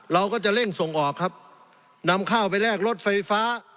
เราก็จะเร่งส่งออกครับนำข้าวไปแลกรถไฟฟ้า